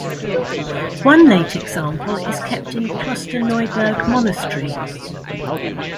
One late example is kept in Klosterneuburg Monastery.